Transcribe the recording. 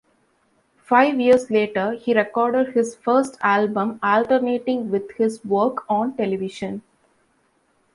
Five years later he recorded his first album alternating with his work on television.